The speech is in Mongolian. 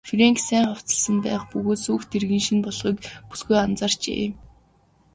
Фрэнк сайн хувцасласан байх бөгөөд сүйх тэрэг нь шинэ болохыг бүсгүй анзаарчээ.